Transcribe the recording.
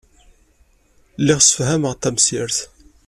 Lliɣ ssefhameɣ-d tamsirt.